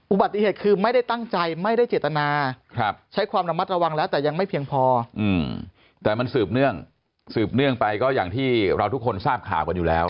อุบัติเหตุคือไม่ได้ตั้งใจไม่ได้เจตนา